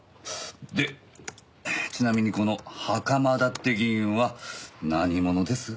でちなみにこの袴田って議員は何者です？